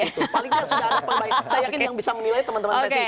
paling tidak sudah ada perbaikan